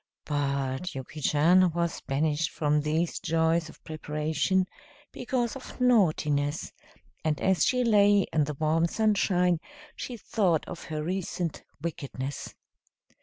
But Yuki Chan was banished from these joys of preparation because of naughtiness, and as she lay in the warm sunshine she thought of her recent wickedness.